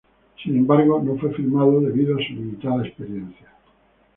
Sin embargo, no fue firmado debido a su limitada experiencia.